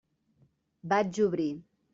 Vaig obrir.